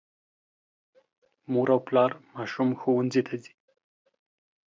مور او پلار ماشوم ښوونځي ته ځي.